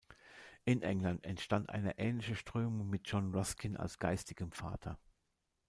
In England entstand eine ähnliche Strömung mit John Ruskin als geistigem Vater.